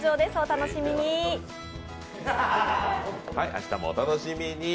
明日もお楽しみに。